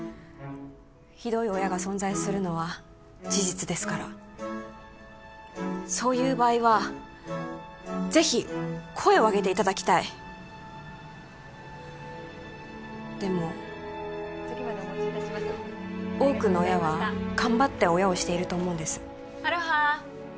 ひどい親が存在するのは事実ですからそういう場合は是非声を上げていただきたいでも多くの親は頑張って親をしていると思うんですアロハ！